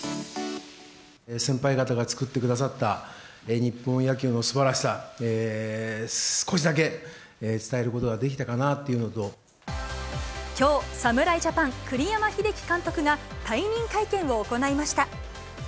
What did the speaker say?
先輩方が作ってくださった、日本野球のすばらしさ、少しだけ伝えることができたかなっていうきょう、侍ジャパン、栗山英樹監督が退任会見を行いました。